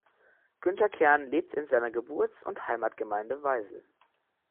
Günter Kern lebt in seiner Geburts- und Heimatgemeinde Weisel.